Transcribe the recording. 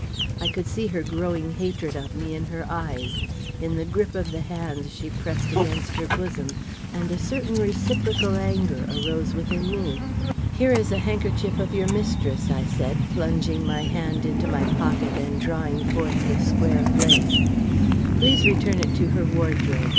I could see her growing hatred of me in her eyes, in the grip of the hands she pressed against her bosom; and a certain reciprocal anger arose within me. "Here is a handkerchief of your mistress," I said, plunging my hand into my pocket and drawing forth the square of lace. "Please return it to her wardrobe.